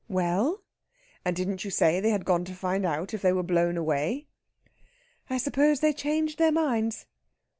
"Well?" "And didn't you say they had gone to find out if they were blown away?" "I supposed they changed their minds."